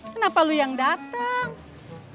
kenapa lu yang datang